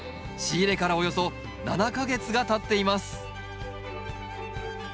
仕入れからおよそ７か月がたっています。